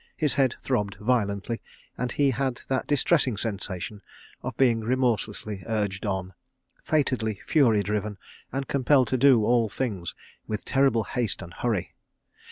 His head throbbed violently, and he had that distressing sensation of being remorselessly urged on, fatedly fury driven and compelled to do all things with terrible haste and hurry.